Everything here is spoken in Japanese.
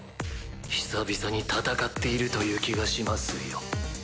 久々に戦っているという気がしますよ。